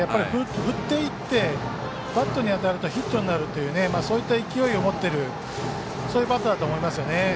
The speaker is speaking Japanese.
振っていってバットに当たるとヒットになるというそういった勢いをもってるそういったバッターだと思いますね。